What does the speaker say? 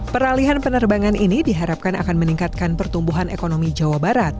peralihan penerbangan ini diharapkan akan meningkatkan pertumbuhan ekonomi jawa barat